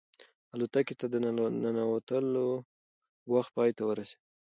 الوتکې ته د ننوتلو وخت پای ته ورسېد.